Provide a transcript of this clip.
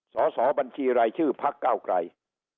สสบัญชีรายชื่อพักเก้าไกร